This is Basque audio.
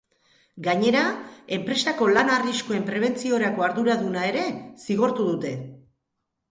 Gainera, enpresako lan-arriskuen prebentziorako arduraduna ere zigortu dute.